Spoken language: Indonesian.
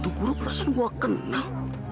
tukur perasaan gua kenal